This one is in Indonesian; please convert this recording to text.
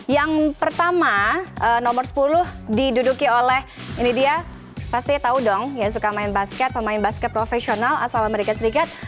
yang pertama nomor sepuluh diduduki oleh ini dia pasti tau dong yang suka main basket pemain basket profesional asal amerika serikat